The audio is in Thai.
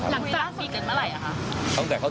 หลังจากเกิดเกิดเมื่อไหร่ครับ